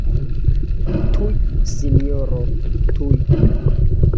Tuj, sinjoro, tuj!